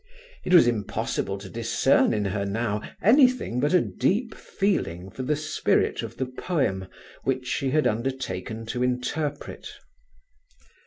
It was impossible to discern in her now anything but a deep feeling for the spirit of the poem which she had undertaken to interpret.